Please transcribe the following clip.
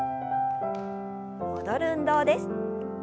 戻る運動です。